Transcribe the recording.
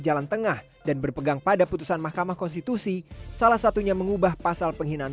jalan tengah dan berpegang pada putusan mahkamah konstitusi salah satunya mengubah pasal penghinaan